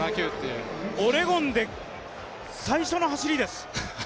オレゴンで最初の走りです。